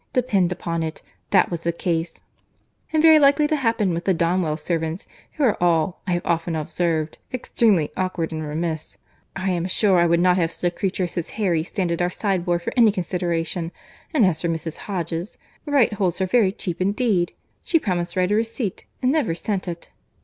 Depend upon it, that was the case: and very likely to happen with the Donwell servants, who are all, I have often observed, extremely awkward and remiss.—I am sure I would not have such a creature as his Harry stand at our sideboard for any consideration. And as for Mrs. Hodges, Wright holds her very cheap indeed.—She promised Wright a receipt, and never sent it."